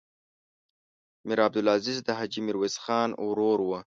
میر عبدالعزیز د حاجي میرویس خان ورور و.